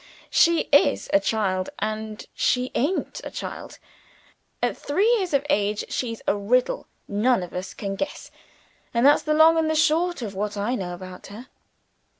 She is a child; and she aint a child. At three years of age, she's a riddle none of us can guess. And that's the long and the short of what I know about her."